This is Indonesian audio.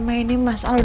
memang aku parah